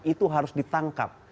itu harus ditangkap